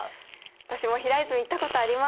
私も平泉行ったことあります。